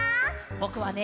ぼくはね